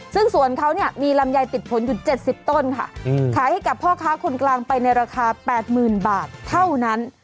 ซึ่งสวนเขาเนี่ยมีลำไยติดผลอยู่๗๐ต้นค่ะขายให้กับพ่อค้าคนกลางไปในราคา๘๐๐๐บาทเท่านั้น